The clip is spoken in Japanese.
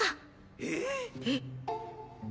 ええっ⁉えっ？